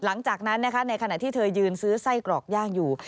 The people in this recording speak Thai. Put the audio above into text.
หลังจากนั้นนะคะในขณะที่เธอยืนซื้อไส้กรอกย่างอยู่